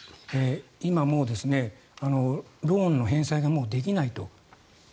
今、もうローンの返済ができないと。